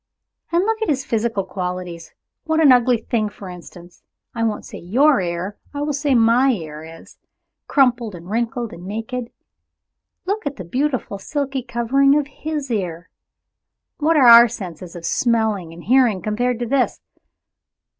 And look at his physical qualities. What an ugly thing, for instance I won't say your ear I will say, my ear is; crumpled and wrinkled and naked. Look at the beautiful silky covering of his ear! What are our senses of smelling and hearing compared to his?